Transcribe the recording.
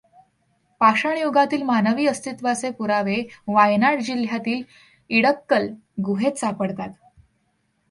पाषाणयुगातील मानवी अस्तित्वाचे पुरावे वायनाड जिल्ह्यातील इडक्कल गुहेत सापडतात.